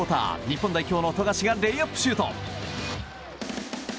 日本代表の富樫がレイアップシュート。